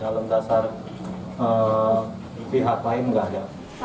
dalam dasar pihak lain nggak ada